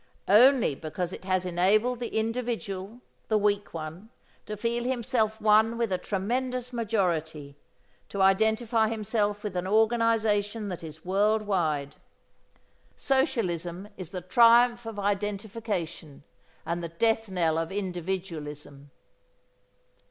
Only because it has enabled the individual, the weak one, to feel himself one with a tremendous majority, to identify himself with an organization that is world wide. Socialism is the triumph of identification and the death knell of individualism.